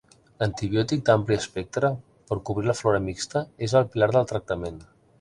L'antibiòtic d'ampli espectre per cobrir la flora mixta és el pilar del tractament.